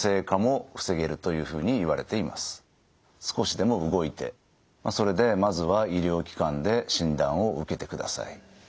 少しでも動いてそれでまずは医療機関で診断を受けてください。